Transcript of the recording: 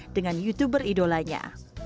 dengan youtuber idolanya